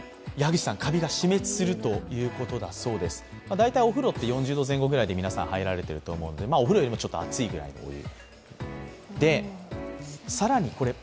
大体お風呂って４０度前後ぐらいで皆さん、入られてると思うんでお風呂よりもちょっと熱いぐらいのお湯。